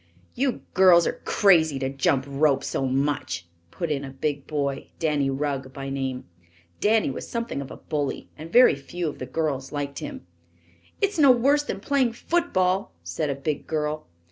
"You girls are crazy to jump rope so much," put in a big boy, Danny Rugg by name. Danny was something of a bully and very few of the girls liked him. "It's no worse than playing football," said a big girl.